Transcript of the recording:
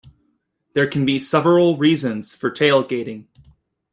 There can be several reasons for tailgating.